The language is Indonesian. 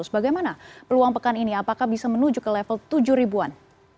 bagaimana peluang pekan ini apakah bisa menuju ke level tujuh ribuan